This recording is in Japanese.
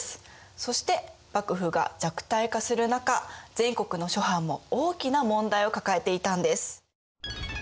そして幕府が弱体化する中全国の諸藩も大きな問題を抱えていたんです。